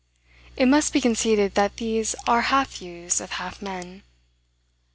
It must be conceded that these are half views of half men.